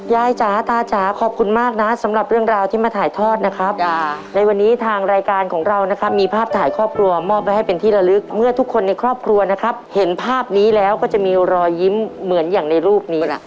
จ๋าตาจ๋าขอบคุณมากนะสำหรับเรื่องราวที่มาถ่ายทอดนะครับในวันนี้ทางรายการของเรานะครับมีภาพถ่ายครอบครัวมอบไว้ให้เป็นที่ละลึกเมื่อทุกคนในครอบครัวนะครับเห็นภาพนี้แล้วก็จะมีรอยยิ้มเหมือนอย่างในรูปนี้ล่ะ